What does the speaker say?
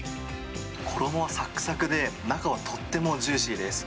衣はさくさくで、中はとってもジューシーです。